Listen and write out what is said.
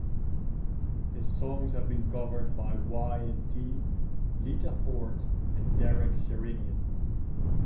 His songs have been covered by Y and T, Lita Ford and Derek Sherinian.